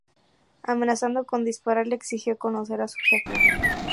Amenazando con dispararle, exigió conocer a su jefe.